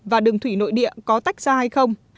và đường thủy nội địa có tách ra hay không